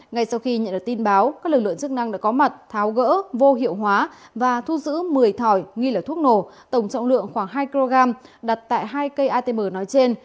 ngay sau khi nhận được tin báo các lực lượng chức năng đã có mặt tháo gỡ vô hiệu hóa và thu giữ một mươi thỏi nghi là thuốc nổ tổng trọng lượng khoảng hai kg đặt tại hai cây atm nói trên